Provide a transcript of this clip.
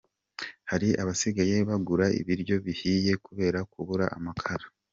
Hari abasigaye bagura ibiryo bihiye kubera kubura amakara….